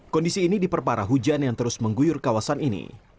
kondisi ini diperparah hujan yang terus mengguyur kawasan ini